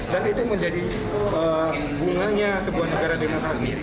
dan itu menjadi bunganya sebuah negara demokrasi